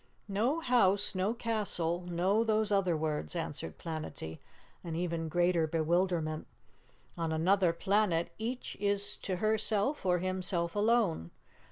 "No house, no castle, no those other words," answered Planetty in even greater bewilderment. "On Anuther Planet each is to herself or himself alone.